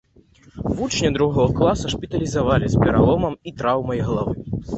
Вучня другога класу шпіталізавалі з пераломам і траўмай галавы.